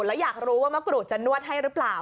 แล้วอยากรู้ว่ามะกรูดจะนวดให้หรือเปล่า